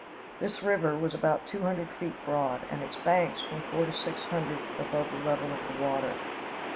This river was about two hundred feet broad, and its banks from four to six hundred above the level of the water.